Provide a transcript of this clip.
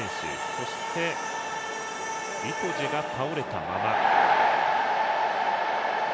そしてイトジェが倒れたまま。